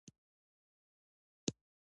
ژورې سرچینې د افغان ښځو په ژوند کې رول لري.